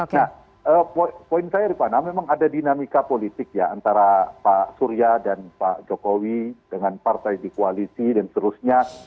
nah poin saya rifana memang ada dinamika politik ya antara pak surya dan pak jokowi dengan partai di koalisi dan seterusnya